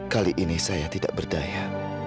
kali ini saya tidak berdaya